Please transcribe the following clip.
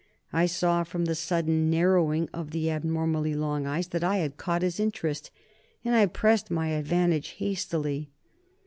I saw from the sudden narrowing of his abnormally long eyes that I had caught his interest, and I pressed my advantage hastily.